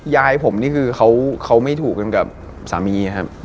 ยายผมนี่คือเขาไม่ถูกกันกับสามีครับ